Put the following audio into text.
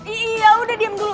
iya udah diam dulu